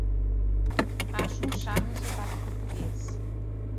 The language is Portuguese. Acho um charme o sotaque português!